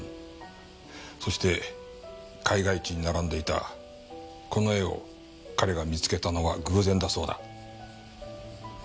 そして絵画市に並んでいたこの絵を彼が見つけたのは偶然だそうだ。